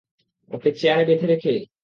ওকে চেয়ারে বেঁধে রেখে?